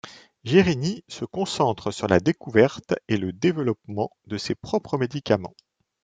Jerini se concentre sur la découverte et le développement de ses propres médicaments.